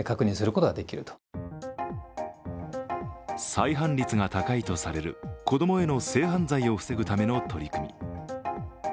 再犯率が高いとされる子どもへの性犯罪を防ぐための取り組み。